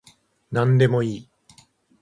なんでもいい